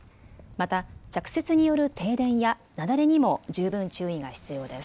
また着雪による停電や雪崩にも十分注意が必要です。